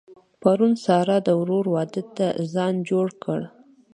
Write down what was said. پرون سارا د ورور واده ته ځان جوړ کړ.